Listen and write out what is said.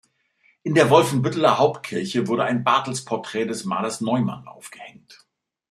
In der Wolfenbütteler Hauptkirche wurde ein Bartels-Porträt des Malers Neumann aufgehängt.